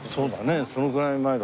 そのぐらい前だね。